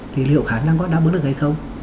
thì liệu khả năng có đáp ứng được hay không